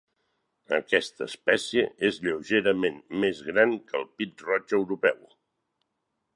Aquesta espècie és lleugerament més gran que el pit-roig europeu.